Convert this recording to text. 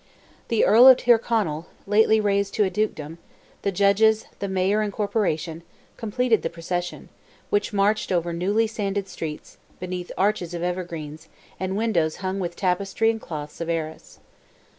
The Earl of Tyrconnell, lately raised to a dukedom, the judges, the mayor and corporation, completed the procession, which marched over newly sanded streets, beneath arches of evergreens and windows hung with "tapestry and cloth of Arras."